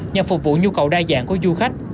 nhằm phục vụ nhu cầu đa dạng của du khách